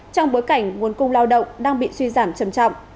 trong bối cảnh nguồn cung lao động đang bị suy giảm trầm trọng